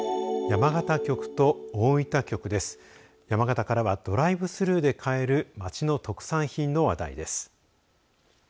山形からはドライブスルーで買える町の特産品の話題です。